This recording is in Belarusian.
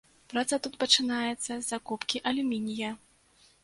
Праца тут пачынаецца з закупкі алюмінія.